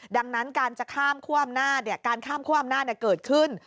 ดังนั้นการจะข้ามคั่วอำนาจการข้ามคั่วอำนาจเกิดขึ้น